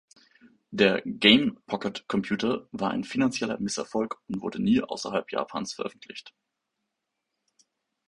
Der Game Pocket Computer war ein finanzieller Misserfolg und wurde nie außerhalb Japans veröffentlicht.